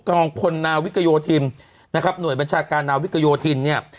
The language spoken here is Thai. กองพลนาวิกโยธินนะครับหน่วยบัญชาการนาวิกโยธินเนี่ย